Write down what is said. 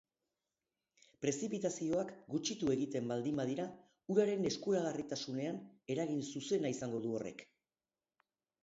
Prezipitazioak gutxitu egiten baldin badira uraren eskuragarritasunean eragin zuzena izango du horrek.